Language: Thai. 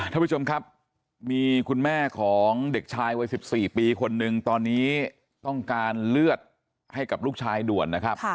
ท่านผู้ชมครับมีคุณแม่ของเด็กชายวัย๑๔ปีคนนึงตอนนี้ต้องการเลือดให้กับลูกชายด่วนนะครับ